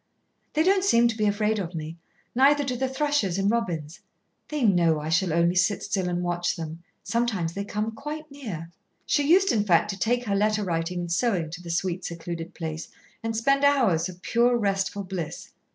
They don't seem to be afraid of me, neither do the thrushes and robins. They know I shall only sit still and watch them. Sometimes they come quite near." She used, in fact, to take her letter writing and sewing to the sweet, secluded place and spend hours of pure, restful bliss.